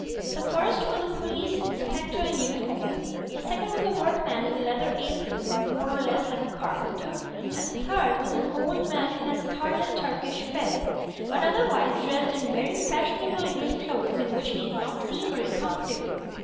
The first was a police inspector in uniform; the second was a workman in a leather apron, more or less like a carpenter, and the third was an old man in a scarlet Turkish fez, but otherwise dressed in very fashionable English clothes in which he did not seem very comfortable.